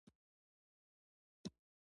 د افغانستان بیرغ تاریخي ارزښت لري.